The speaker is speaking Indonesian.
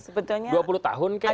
sebetulnya ada upaya itu ketika